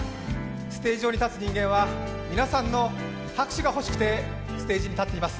ステージ上に立つ人間は皆さんの拍手が欲しくてステージに立っています。